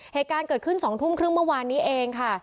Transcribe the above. เหตุการณ์เกิดขึ้น๒ทุ่มครึ่งเมื่อวานนี้เองค่ะ